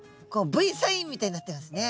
Ｖサインみたいになってますね。